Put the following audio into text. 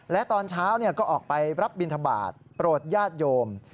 และตอนเช้าก็ออกไปรับบินทบาทโปรดญาติโยม